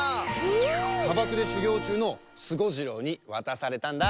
さばくでしゅぎょうちゅうのスゴジロウにわたされたんだ！